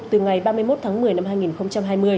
từ ngày ba mươi một tháng một mươi năm hai nghìn hai mươi